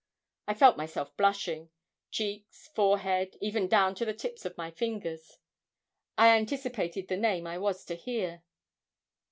I felt myself blushing cheeks, forehead, even down to the tips of my fingers. I anticipated the name I was to hear.